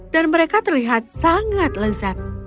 dan mereka terlihat sangat lezat